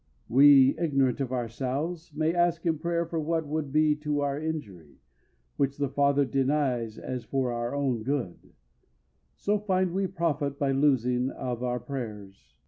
We, ignorant of ourselves, may ask in prayer for what would be to our injury, which the Father denies as for our own good; so find we profit by losing of our prayers.